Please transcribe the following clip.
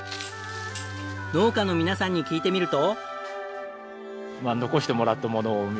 農家の皆さんに聞いてみると。